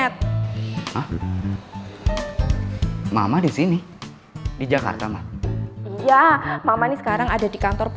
terima kasih gakau